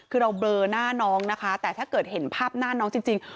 คือเราเบลอหน้าน้องนะคะแต่ถ้าเกิดเห็นภาพหน้าน้องจริง